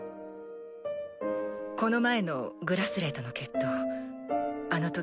この前のグラスレーとの決闘あのとき。